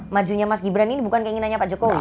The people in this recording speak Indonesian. majunya mas gibran ini bukan keinginannya pak jokowi